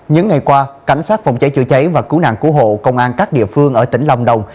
những ngày qua cảnh sát phòng cháy chữa cháy và cứu nạn cứu hộ công an các địa phương ở tỉnh lâm đồng